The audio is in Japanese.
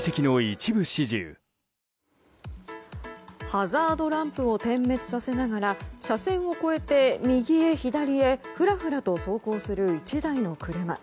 ハザードランプを点滅させながら車線を越えて右へ左へふらふらと走行する１台の車。